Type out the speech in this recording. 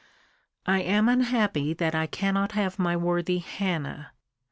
I am unhappy that I cannot have my worthy Hannah.